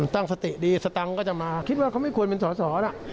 ตั้งสติดีสตังค์ก็จะมาคิดว่าเขาไม่ควรเป็นสอสอนะ